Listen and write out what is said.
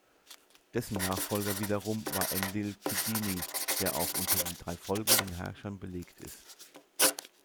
Dessen Nachfolger wiederum war Enlil-kidinni, der auch unter den drei folgenden Herrschern belegt ist.